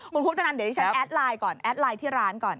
คุณคุปตนันเดี๋ยวดิฉันแอดไลน์ก่อนแอดไลน์ที่ร้านก่อน